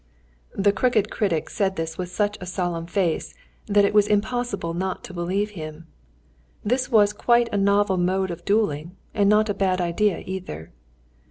The crooked critic said this with such a solemn face that it was impossible not to believe him. This was quite a novel mode of duelling, and not a bad idea either.